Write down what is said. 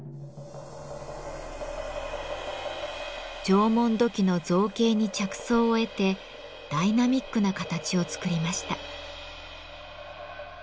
縄文土器の造形に着想を得てダイナミックな形を作りました。